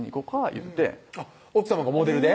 いうて奥さまがモデルで？